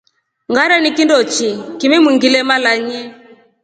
Ngareni kindochi kimengilema lanye.